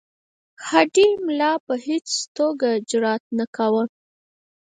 هډې ملا په هیڅ توګه جرأت نه کاوه.